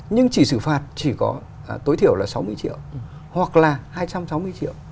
nhưng chỉ xử phạt chỉ có tối thiểu là sáu mươi triệu hoặc là hai trăm sáu mươi triệu